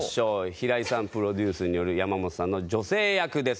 平井さんプロデュースによる山本さんの女性役です。